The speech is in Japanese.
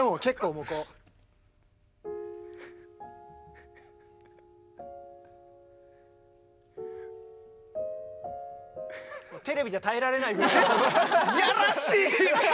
もうテレビじゃ耐えられないぐらいのこの。